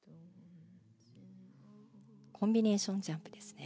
コンビネーションジャンプですね。